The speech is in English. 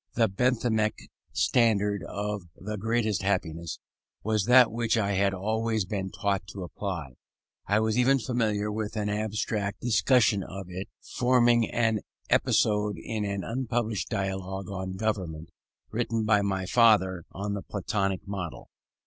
The Benthamic standard of "the greatest happiness" was that which I had always been taught to apply; I was even familiar with an abstract discussion of it, forming an episode in an unpublished dialogue on Government, written by my father on the Platonic model.